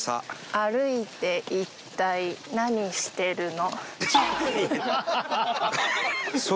「歩いて一体何してるの？」。